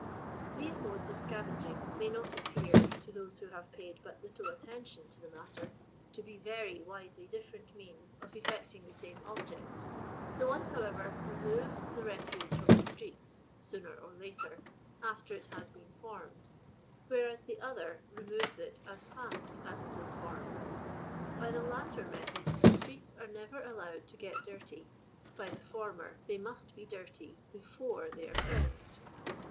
These modes of scavenging may not appear, to those who have p:iid but little attention to the matter, to be i*e»'y widely different means of effecting the same object The one, however, re moves the refiue from the streets (sooner or later) aj'ter tl kas been Jonned, whereas the other re moves it at fait a$ it is foinned. By the latter Djeihod the streets are never allowed to get dirty — by the former they must be dirty before they are cleansed.